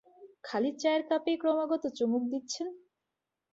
খালি চায়ের কাপেই ক্রমাগত চুমুক দিচ্ছেন।